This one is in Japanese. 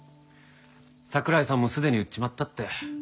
櫻井さんもすでに売っちまったって。